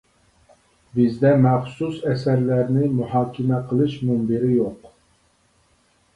بىزدە مەخسۇس ئەسەرلەرنى مۇھاكىمە قىلىش مۇنبىرى يوق.